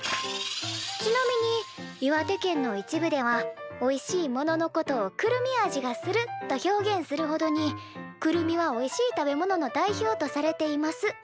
ちなみに「岩手県の一部ではおいしいもののことを『くるみ味がする』と表現するほどにくるみはおいしい食べ物の代表とされています」